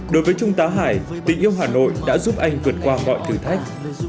đối với trung tá hải tình yêu hà nội đã giúp anh vượt qua mọi thử thách